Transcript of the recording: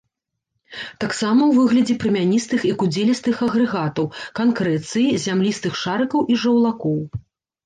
Таксама ў выглядзе прамяністых і кудзелістых агрэгатаў, канкрэцыі, зямлістых шарыкаў і жаўлакоў.